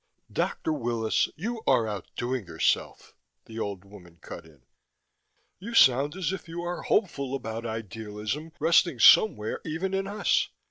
"Dr. Willis, you are outdoing yourself," the old woman cut in. "You sound as if you are hopeful about idealism resting somewhere even in us.